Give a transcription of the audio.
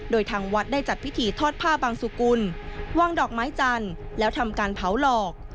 โดยทางวัดได้จัดพิธีทอดผ้าบางสุกุลวางดอกไม้จันทร์แล้วทำการเผาหลอก